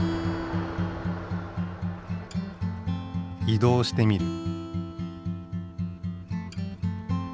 移動してみる。